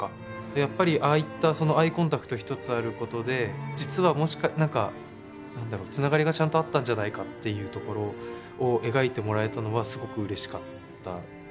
やっぱり、ああいった、そのアイコンタクト１つあることで実は、なんか、なんだろうつながりがちゃんとあったんじゃないかっていうところを描いてもらえたのはすごく、うれしかった。